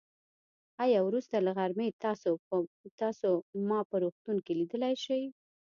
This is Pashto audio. آيا وروسته له غرمې تاسو ما په روغتون کې ليدای شئ.